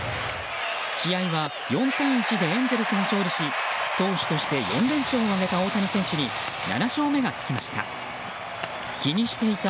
試合は４対１でエンゼルスが勝利し投手として４連勝を挙げた大谷選手に７勝目がつきました。